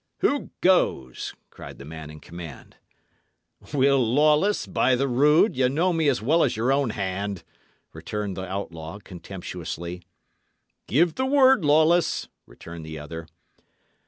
"Who goes?" cried the man in command. "Will Lawless, by the rood ye know me as well as your own hand," returned the outlaw, contemptuously. "Give the word, Lawless," returned the other.